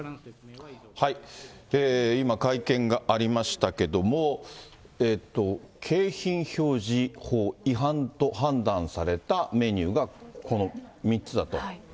今、会見がありましたけども、景品表示法違反と判断されたメニューがこの３つだと。